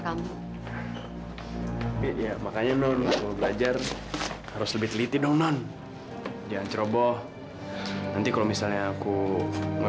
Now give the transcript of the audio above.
kamu makanya nun belajar harus lebih teliti dong non jangan ceroboh nanti kalau misalnya aku nggak